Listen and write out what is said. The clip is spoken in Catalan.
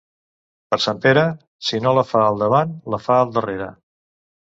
Per Sant Pere, si no la fa al davant, la fa al darrere.